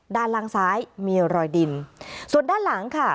ด้านล่างซ้ายมีรอยดินส่วนด้านหลังค่ะ